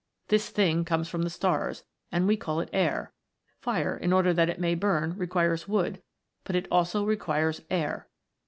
This thing comes from the stars, and we call it air. Fire, in order that it may burn, requires wood, but it also requires air.